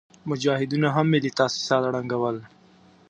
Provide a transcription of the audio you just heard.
مجاهدينو هم ملي تاسيسات ړنګول.